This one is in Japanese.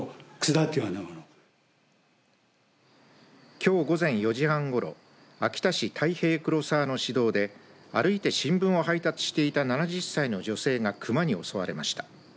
きょう午前４時半ごろ秋田市太平黒沢の市道で歩いて新聞を配達していた７０歳の女性が熊に襲われました。